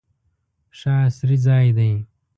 ښه عصري ځای دی.